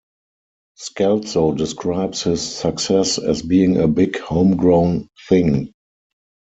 Scalzo describes his success as being a big homegrown thing.